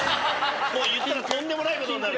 言ったらとんでもない事になる。